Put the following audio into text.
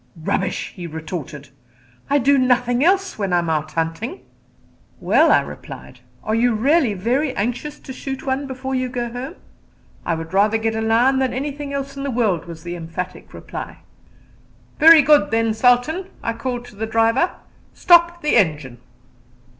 "Rubbish," he retorted; "I do nothing else when I am out hunting." "Well," I replied, "are you really very anxious to shoot one before you go home?" "I would rather get a lion than anything else in the world," was the emphatic reply. "Very good, then. Sultan," I called to the driver, "stop the engine."